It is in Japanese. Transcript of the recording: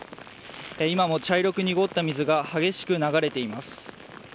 今も茶色く濁った水が激しく流れています。